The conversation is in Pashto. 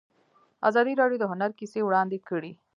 ازادي راډیو د هنر کیسې وړاندې کړي.